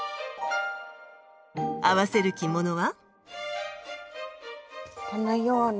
合わせる着物は。